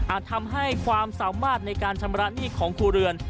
ทำให้ความสามารถในการชำระหนี้ของครัวเรือน